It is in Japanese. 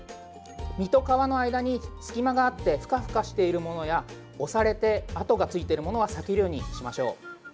身と皮の間に隙間があってふかふかしているものや押されて跡がついてるものは避けるようにしましょう。